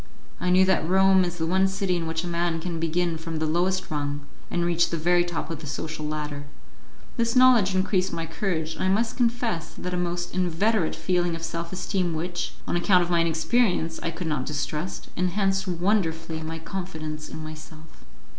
I knew that Rome is the one city in which a man can begin from the lowest rung, and reach the very top of the social ladder. This knowledge increased my courage, and I must confess that a most inveterate feeling of self esteem which, on account of my inexperience, I could not distrust, enhanced wonderfully my confidence in myself.